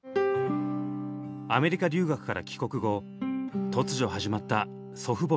アメリカ留学から帰国後突如始まった祖父母の介護生活。